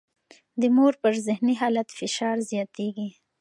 د مور پر ذهني حالت فشار زیاتېږي.